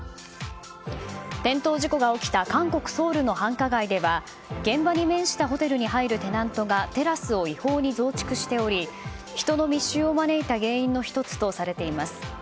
転倒事故が起きた韓国ソウルの繁華街では現場に面したホテルに入るテナントがテラスを違法に増築しており人の密集を招いた原因の１つとされています。